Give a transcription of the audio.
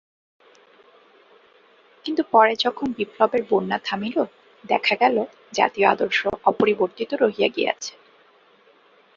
কিন্তু পরে যখন বিপ্লবের বন্যা থামিল, দেখা গেল জাতীয় আদর্শ অপরিবর্তিত রহিয়া গিয়াছে।